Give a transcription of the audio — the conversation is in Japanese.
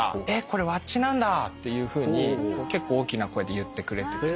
これｗａｃｃｉなんだ」っていうふうに結構大きな声で言ってくれてて。